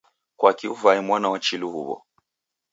Kwaki uvae mwana wa chilu huwo?